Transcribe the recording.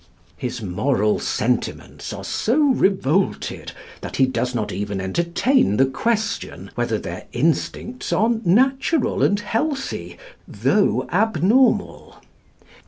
His moral sentiments are so revolted that he does not even entertain the question whether their instincts are natural and healthy though abnormal.